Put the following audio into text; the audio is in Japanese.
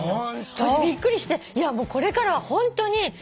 私びっくりしてこれからはホントに。